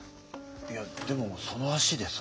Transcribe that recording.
いやでもその足でさ。